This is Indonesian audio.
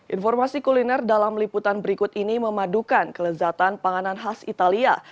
informasi kuliner dalam liputan berikut ini memadukan kelezatan panganan khas italia